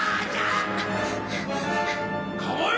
構え！